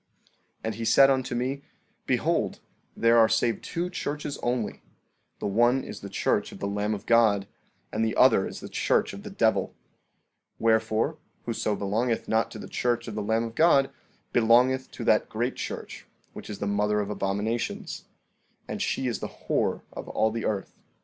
14:10 And he said unto me: Behold there are save two churches only; the one is the church of the Lamb of God, and the other is the church of the devil; wherefore, whoso belongeth not to the church of the Lamb of God belongeth to that great church, which is the mother of abominations; and she is the whore of all the earth.